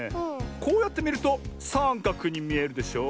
こうやってみるとさんかくにみえるでしょう。